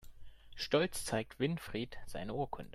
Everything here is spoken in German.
Stolz zeigt Winfried seine Urkunde.